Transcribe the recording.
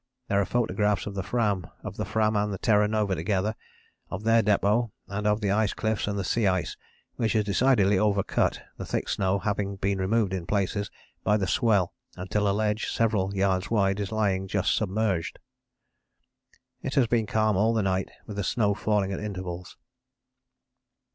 There are photographs of the Fram, of the Fram and Terra Nova together, of their depôt, and of the ice cliffs and the sea ice which is decidedly overcut, the thick snow having been removed in places by the swell until a ledge several yards wide is lying just submerged. "It has been calm all the night with the snow falling at intervals.